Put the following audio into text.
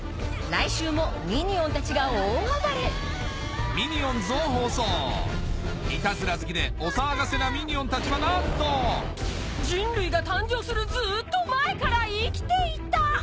来週もミニオンたちが大暴れ『ミニオンズ』を放送イタズラ好きでお騒がせなミニオンたちはなんと彼らは一体何者なのか？